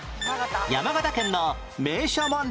山形県の名所問題